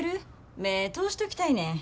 目ぇ通しときたいねん。